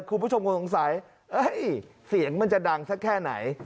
คุณผู้ชมคงสงสัยเสียงมันจะดังสักแค่ไหน